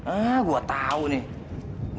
ah gue tau nih